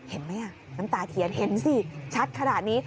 เห็นไหมน้ำตาเทียนเห็นสิชัดขนาดนี้